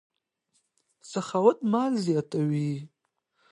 سخاوت مال زیاتوي.